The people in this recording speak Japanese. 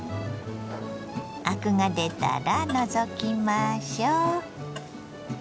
アクが出たら除きましょ。